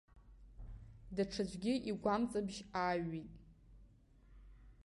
Даҽаӡәгьы игәамҵыбжь ааҩит.